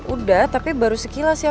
udah tapi baru sekilas ya